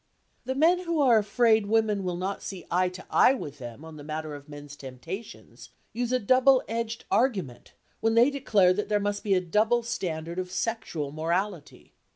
The men who are afraid women will not see eye to eye with them on the matter of men's temptations, use a double edged argument, when they declare that there must be a double standard of sexual morality.